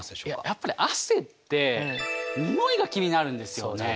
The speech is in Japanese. やっぱり汗ってニオイが気になるんですよね。